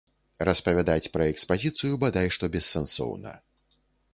Распавядаць пра экспазіцыю бадай што бессэнсоўна.